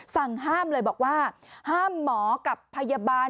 สั่งห้ามเลยบอกว่าห้ามหมอกับพยาบาล